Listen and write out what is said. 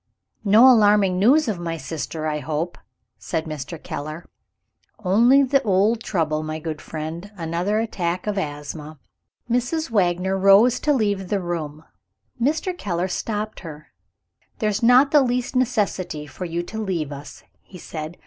"No alarming news of my sister, I hope?" said Mr. Keller. "Only the old trouble, my good friend. Another attack of asthma." Mrs. Wagner rose to leave the room. Mr. Keller stopped her. "There is not the least necessity for you to leave us," he said.